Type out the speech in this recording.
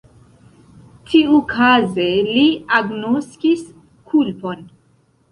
Tiukaze li agnoskis kulpon.